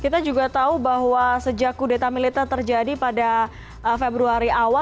kita juga tahu bahwa sejak kudeta militer terjadi pada februari awal